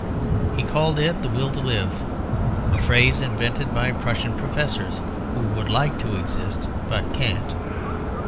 He called it the Will to Live a phrase invented by Prussian professors who would like to exist, but can't.